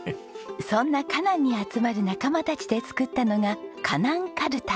そんなかなんに集まる仲間たちで作ったのがかなんかるた。